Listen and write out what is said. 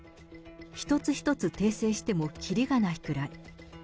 一つ一つ訂正してもきりがないくらい。